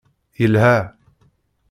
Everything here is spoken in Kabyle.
Yelha!